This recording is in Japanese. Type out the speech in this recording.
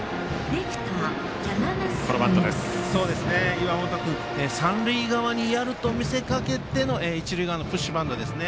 岩本君、三塁側にやると見せかけての一塁側のブッシュバントですね。